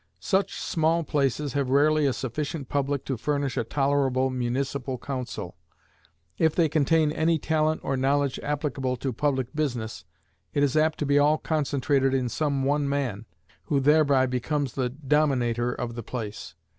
Such small places have rarely a sufficient public to furnish a tolerable municipal council: if they contain any talent or knowledge applicable to public business, it is apt to be all concentrated in some one man, who thereby becomes the dominator of the place.